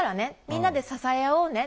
みんなで支え合おうね。